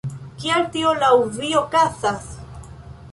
Kial tio laŭ vi okazas?